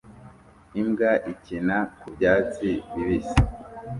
Imbwa ikina ku byatsi bibisi